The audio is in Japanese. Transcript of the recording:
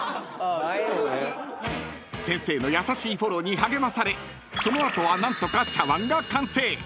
［先生の優しいフォローに励まされその後は何とか茶わんが完成］